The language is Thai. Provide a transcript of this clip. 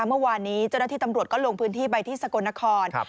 เมื่อวานนี้เจ้าหน้าที่ตำรวจก็ลงพื้นที่ไปที่สกลนคร